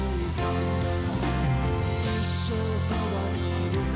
「一生そばにいるから」